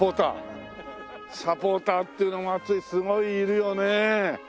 サポーターっていうのが熱いすごいいるよね。